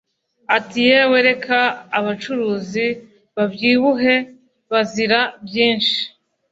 ati"yewe reka abacuruzi babyibuhe bazira byinshi!